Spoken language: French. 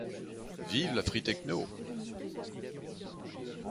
Vive la free tekno !